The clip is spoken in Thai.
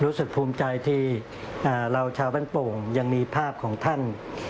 รู้สึกภูมิใจที่เราชาวบ้านโป่งยังมีภาพของท่าน